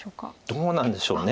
どうなんでしょう。